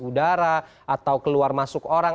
udara atau keluar masuk orang